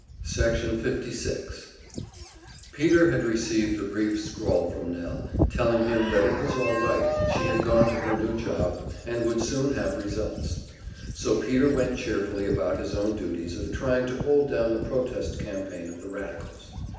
Section 56 Peter had received a brief scrawl from Nell, telling him that it was all right, she had gone to her new job, and would soon have results. So Peter went cheerfully about his own duties of trying to hold down the protest campaign of the radicals.